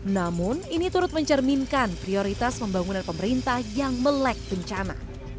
namun ini turut mencerminkan prioritas pembangunan pemerintah yang melek bencana